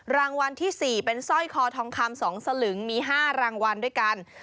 รางวัลที่๔เป็นสร้อยคอทองคำ๒สลึงมี๕รางวัลด้วยกัน